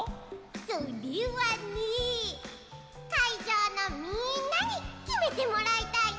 それはね。かいじょうのみんなにきめてもらいたいな！